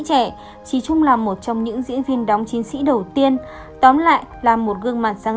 trẻ chỉ trung là một trong những diễn viên đóng chiến sĩ đầu tiên tóm lại là một gương mặt sáng